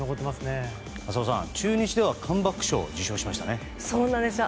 浅尾さん、中日ではカムバック賞を受賞しましたよね。